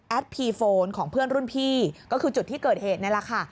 พีโฟนของเพื่อนรุ่นพี่ก็คือจุดที่เกิดเหตุนี่แหละค่ะ